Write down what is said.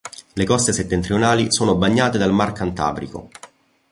Le coste settentrionali sono bagnate dal Mar Cantabrico.